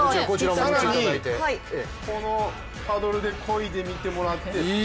このパドルでこいでみてもらって。